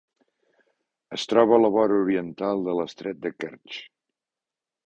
Es troba a la vora oriental de l'estret de Kertx.